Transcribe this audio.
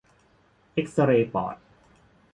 เอกซเรย์ปอด